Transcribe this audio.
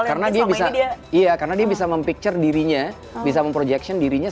iya karena dia bisa mempicture dirinya bisa memprojection dirinya sama kayak sama karakter karakter yang ada di layar gitu ya